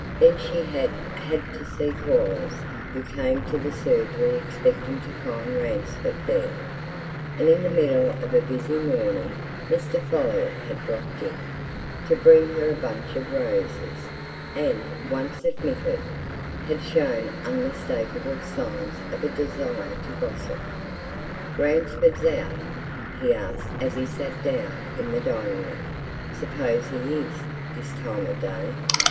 Then she had had to see callers who came to the surgery expecting to find Ransford there; and in the middle of a busy morning, Mr. Folliot had dropped in, to bring her a bunch of roses, and, once admitted, had shown unmistakable signs of a desire to gossip. "Ransford out?" he asked as he sat down in the dining room. "Suppose he is, this time of day."